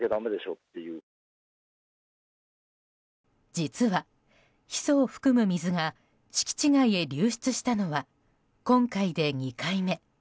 実は、ヒ素を含む水が敷地外へ流出したのは今回で２回目。